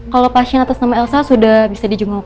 kalau pasien atas nama elsa sudah bisa dijual